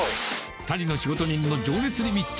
２人の仕事人の情熱に密着。